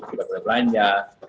tidak boleh belanja